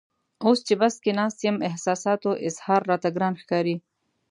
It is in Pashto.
اوس چې بس کې ناست یم احساساتو اظهار راته ګران ښکاري.